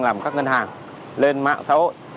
làm các ngân hàng lên mạng xã hội